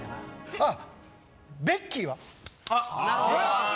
あっ！